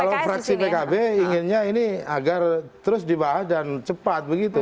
kalau fraksi pkb inginnya ini agar terus dibahas dan cepat begitu